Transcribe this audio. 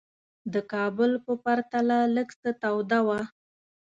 د کابل په پرتله لږ څه توده وه.